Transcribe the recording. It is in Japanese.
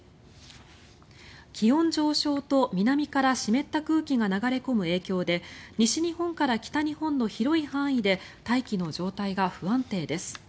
気温上昇と南から湿った空気が流れ込む影響で西日本から北日本の広い範囲で大気の状態が不安定です。